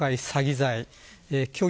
罪